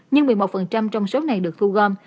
nhưng một mươi một trong số này được thu gom